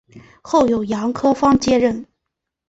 后由杨可芳接任。